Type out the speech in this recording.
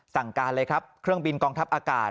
สั่งการเลยครับเครื่องบินกองทัพอากาศ